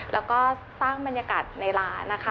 แล้วก็สร้างบรรยากาศในร้านนะคะ